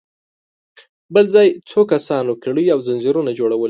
بل ځای څو کسانو کړۍ او ځنځيرونه جوړل.